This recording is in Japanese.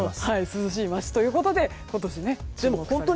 涼しい街ということで今年、注目されました。